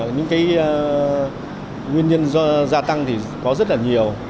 những cái nguyên nhân do gia tăng thì có rất là nhiều